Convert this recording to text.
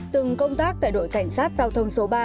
từng công tác tại đội cảnh sát giao thông số ba